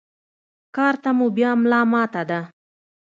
کار ته مو بيا ملا ماته ده.